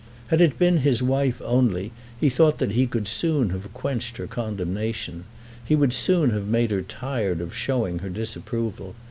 Had it been his wife only, he thought that he could soon have quenched her condemnation. He would soon have made her tired of showing her disapproval.